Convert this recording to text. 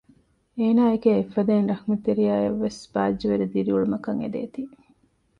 އޭނާއެކޭ އެއްފަދައިން ރަޙްމަތްތެރިޔާއަށްވެސް ބާއްޖަވެރި ދިރިއުޅުމަކަށް އެދޭތީ